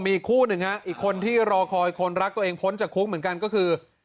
มีอีกคู่หนึ่งฮะอีกคนที่รอคอยคนรักตัวเองพ้นจากคุกเหมือนกันก็คือ